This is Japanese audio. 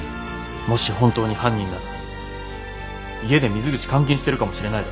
もし本当に犯人なら家で水口監禁してるかもしれないだろ。